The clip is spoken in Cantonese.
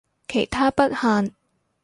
其他不限